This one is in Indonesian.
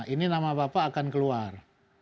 ini nama bapak akan keluar